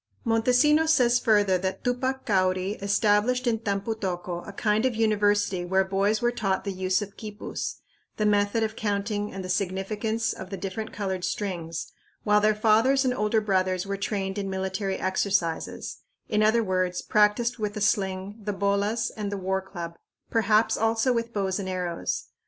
Montesinos says further that Tupac Cauri established in Tampu tocco a kind of university where boys were taught the use of quipus, the method of counting and the significance of the different colored strings, while their fathers and older brothers were trained in military exercises in other words, practiced with the sling, the bolas and the war club; perhaps also with bows and arrows.